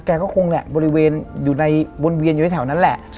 ก็คงแหละบริเวณอยู่ในวนเวียนอยู่ในแถวนั้นแหละ